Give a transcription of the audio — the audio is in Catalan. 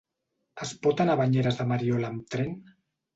Es pot anar a Banyeres de Mariola amb tren?